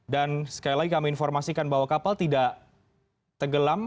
dan sekali lagi kami informasikan bahwa kapal tidak tenggelam